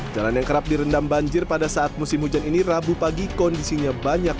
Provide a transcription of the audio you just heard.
jalan yang kerap direndam banjir pada saat musim hujan ini rabu pagi kondisinya banyak